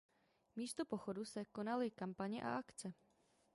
Místo pochodu se konaly kampaně a akce.